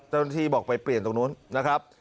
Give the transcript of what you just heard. เจ้าหน้าที่บอกไปเปลี่ยนตรงนู้นนะครับ